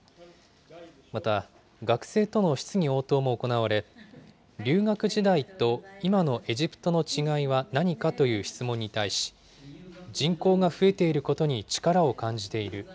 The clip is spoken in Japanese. また、学生との質疑応答も行われ、留学時代と今のエジプトの違いは何かという質問に対し、人口が増えていることに力を感じている。